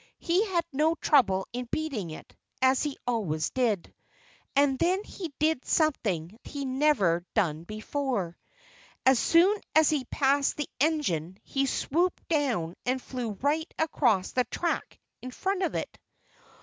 He had no trouble in beating it, as he always did. And then he did something he had never done before. As soon as he had passed the engine he swooped down and flew right across the track in front of it.